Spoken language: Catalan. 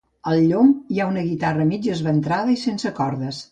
Al llom hi ha una guitarra mig esventrada i sense cordes.